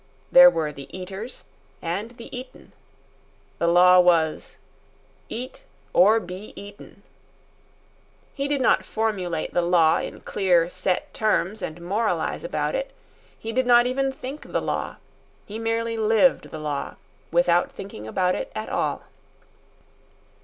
There were the eaters and the eaten. The law was: EAT OR BE EATEN. He did not formulate the law in clear, set terms and moralise about it. He did not even think the law; he merely lived the law without thinking about it at all.